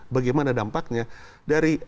bagaimana dampaknya dari